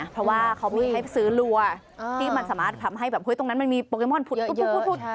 เพราะเขามีให้ซื้อหลัวที่มันสามารถทำให้ตรงนั้นมีโปเคมอนผุตปุ๊บ